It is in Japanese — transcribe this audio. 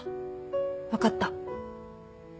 分かった